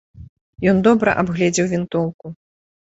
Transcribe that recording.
Ён добра абгледзеў вінтоўку.